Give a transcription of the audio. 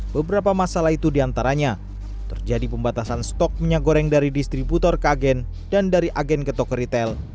beberapa masalah itu diantaranya terjadi pembatasan stok minyak goreng dari distributor ke agen dan dari agen ke toko retail